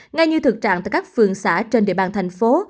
ngay như thực trạng tại các phường xã trên địa bàn thành phố